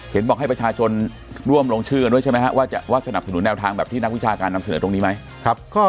บอกให้ประชาชนร่วมลงชื่อกันด้วยใช่ไหมฮะว่าจะว่าสนับสนุนแนวทางแบบที่นักวิชาการนำเสนอตรงนี้ไหม